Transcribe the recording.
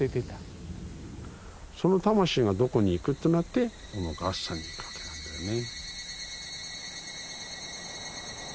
その魂がどこに行くとなってこの月山に行くわけなんだよね。